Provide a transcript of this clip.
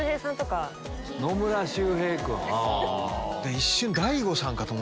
一瞬。